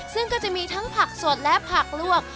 ซึ่งก็จะมีทั้งผักสดและผักลวก